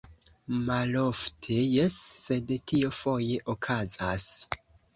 Malofte, jes, sed tio foje okazas.